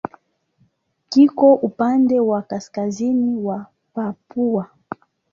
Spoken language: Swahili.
Kiko upande wa kaskazini wa Papua.